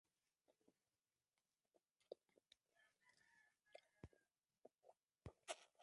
Estas características condicionan una zona de vida de bosque muy húmedo montano bajo.